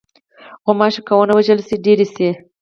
غوماشې که ونه وژلې شي، ډېرې شي.